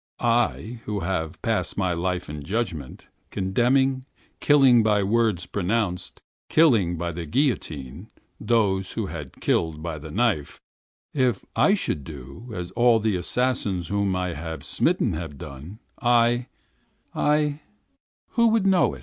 I, who have passed my life in judging, condemning, killing by the spoken word, killing by the guillotine those who had killed by the knife, I, I, if I should do as all the assassins have done whom I have smitten, I—I—who would know it?